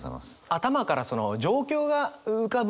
頭からその状況が浮かぶ。